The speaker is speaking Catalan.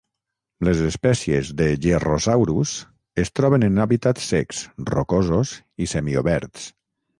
Les espècies de "Gerrhosaurus" es troben en hàbitats secs, rocosos i semioberts.